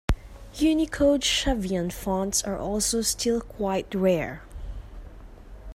Unicode Shavian fonts are also still quite rare.